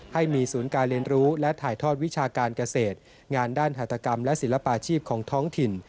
ให้มีศูนย์การเรียนรู้และถ่ายทอดวิชาการเกษตรงานด้านหัตกรรมและศิลปาชีพของท้องถิ่น